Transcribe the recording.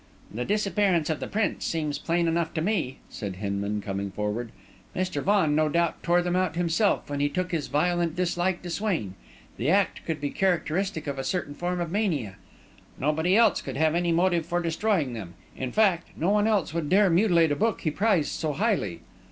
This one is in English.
"The disappearance of the prints seems plain enough to me," said Hinman, coming forward. "Mr. Vaughan no doubt tore them out himself, when he took his violent dislike to Swain. The act would be characteristic of a certain form of mania. Nobody else would have any motive for destroying them; in fact, no one else would dare mutilate a book he prized so highly."